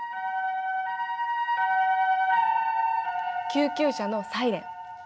救急車のサイレン。